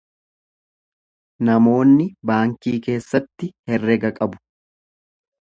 Namoonni baankii keessatti herrega qabu.